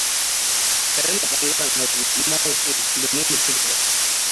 Ka danna ɓangaren hagu na mouse ɗin domin mu ci gaba.